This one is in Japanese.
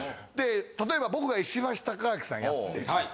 例えば僕が石橋貴明さんやって。